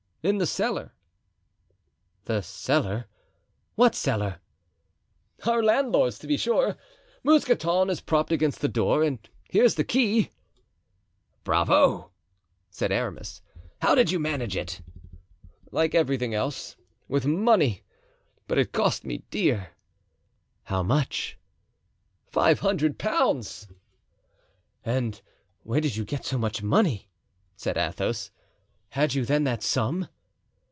"In the cellar." "The cellar—what cellar?" "Our landlord's, to be sure. Mousqueton is propped against the door and here's the key." "Bravo!" said Aramis, "how did you manage it?" "Like everything else, with money; but it cost me dear." "How much?" asked Athos. "Five hundred pounds." "And where did you get so much money?" said Athos. "Had you, then, that sum?"